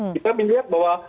kita melihat bahwa